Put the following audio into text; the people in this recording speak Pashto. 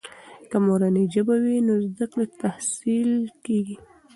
که مورنۍ ژبه وي، نو زده کړې تسهیل کیږي.